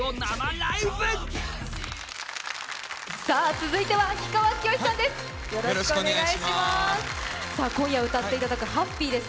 続いては、氷川きよしさんです。